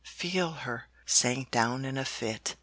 Feel her!' sank down in a fit.